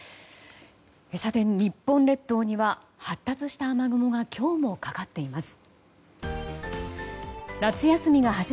さて、日本列島には発達した雨雲が今日もかかっています。